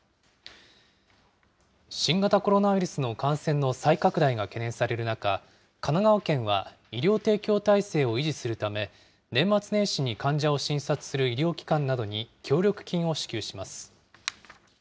新型コロナウイルスの感染の再拡大が懸念される中、神奈川県は医療提供体制を維持するため、年末年始に患者を診察する医療機関などに協力金を支給します。